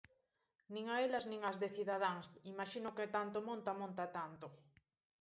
Nin a elas nin ás de Cidadáns, imaxino que tanto monta, monta tanto.